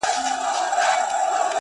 خو زه بيا داسي نه يم’